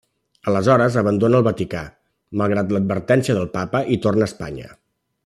Aleshores abandona el Vaticà, malgrat l'advertència del Papa, i torna a Espanya.